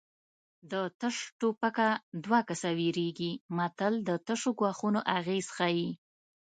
د تش ټوپکه دوه کسه ویرېږي متل د تشو ګواښونو اغېز ښيي